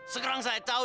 sekarang saya tahu